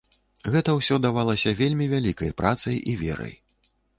Гэта ўсё давалася вельмі вялікай працай і верай.